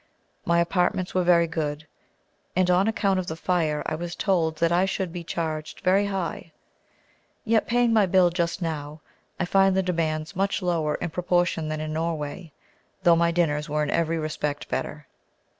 My apartments were very good; and on account of the fire I was told that I should be charged very high; yet, paying my bill just now, I find the demands much lower in proportion than in Norway, though my dinners were in every respect better.